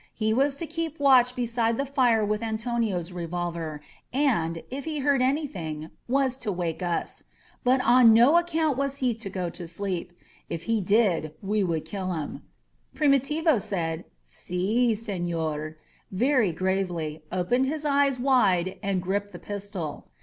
He was to keep watch be side the fire with Antonio's revolver and, if he heard anything, was to wake us. But on no acgount' was he to go to sleep. If he did we would' kill him. Primi tivo said, "iSi, seHor^*^ very gravely, opened his eyes wide, and gripped the pistol.